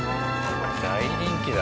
大人気だ。